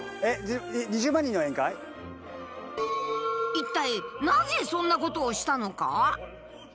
一体なぜそんなことをしたのか。